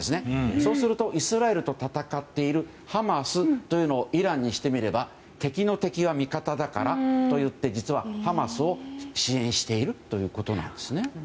そうするとイスラエルと戦っているハマスというのをイランにしてみれば敵の敵は味方だからといって実はハマスを支援しているということなんです。